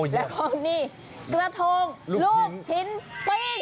แล้วก็นี่กระทงลูกชิ้นปิ้ง